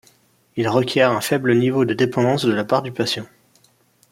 Il requiert un faible niveau de dépendance de la part du patient.